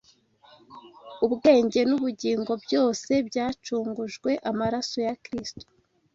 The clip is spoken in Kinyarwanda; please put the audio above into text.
ubwenge n’ubugingo, byose byacungujwe amaraso ya Kristo